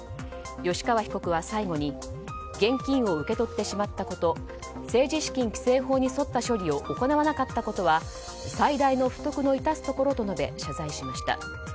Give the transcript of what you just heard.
吉川被告は最後に現金を受け取ってしまったこと政治資金規正法に沿った処理を行わなかったことは最大の不徳の致すところと述べ謝罪しました。